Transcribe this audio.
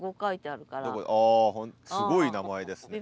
あすごい名前ですね。